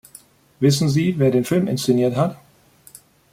Wissen Sie, wer den Film inszeniert hat?